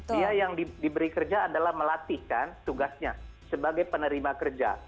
dia yang diberi kerja adalah melatihkan tugasnya sebagai penerima kerja